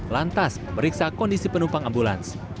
lantas periksa kondisi penumpang ambulans